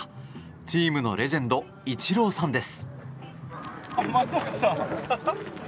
チームのレジェンドイチローさんです。